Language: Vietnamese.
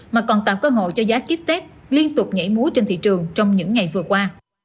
mà còn tạo cơ hội cho giá kiếp tết liên tục nhảy múa trên thị trường trong những ngày vừa qua